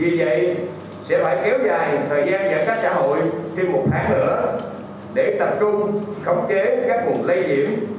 vì vậy sẽ phải kéo dài thời gian giãn cách xã hội thêm một ngày nữa để tập trung khống chế các vùng lây nhiễm